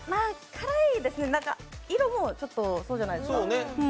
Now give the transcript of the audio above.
辛いですね、色もそうじゃないですか。